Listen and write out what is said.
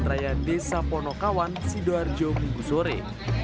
raya desa ponokawan sidoarjo minggu sore